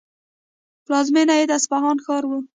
پلازمینه یې د اصفهان ښار و.